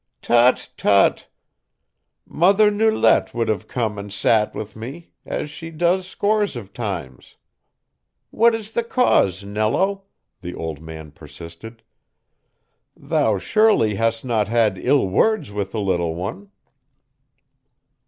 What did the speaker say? "Tut! tut! Mother Nulette would have come and sat with me, as she does scores of times. What is the cause, Nello?" the old man persisted. "Thou surely hast not had ill words with the little one?"